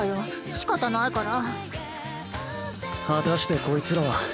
しかたないから。